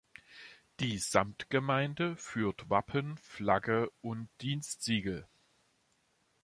Die Samtgemeinde führt Wappen, Flagge und Dienstsiegel.